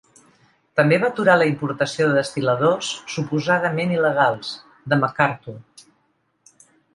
També va aturar la importació de destil·ladors, suposadament il·legals, de Macarthur.